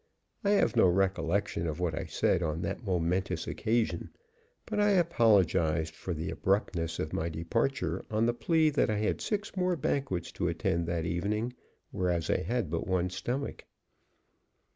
I have no recollection of what I said on that momentous occasion, but I apologized for the abruptness of my departure on the plea that I had six more banquets to attend that evening, whereas I had but one stomach.